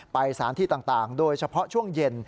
สถานที่ต่างโดยเฉพาะช่วงเย็น